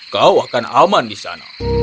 kau akan aman di sana